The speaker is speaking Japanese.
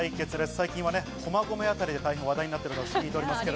最近は駒込あたりで大変話題になっていると聞いています。